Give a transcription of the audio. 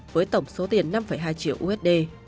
với tổng số tiền năm hai triệu usd